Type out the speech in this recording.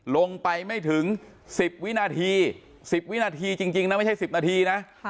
ลงไปไม่ถึง๑๐วินาที๑๐วินาทีจริงนะไม่ใช่๑๐นาทีนะ